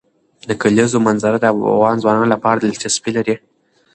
د کلیزو منظره د افغان ځوانانو لپاره دلچسپي لري.